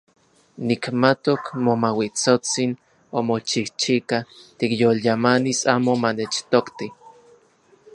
Nikmatok Momauitsotsin omochijchika tikyolyamanis amo manechtokti.